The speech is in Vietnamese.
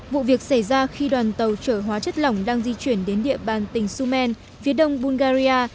vụ việc xảy ra khi đoàn tàu trở hóa chất lỏng đang di chuyển đến địa bàn tỉnh summen phía đông bungary